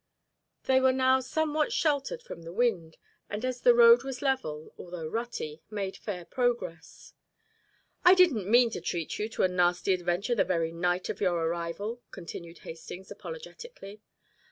They were now somewhat sheltered from the wind, and as the road was level, although rutty, made fair progress. "I didn't mean to treat you to a nasty adventure the very night of your arrival," continued Hastings apologetically.